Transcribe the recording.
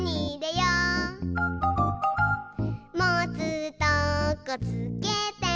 「もつとこつけて」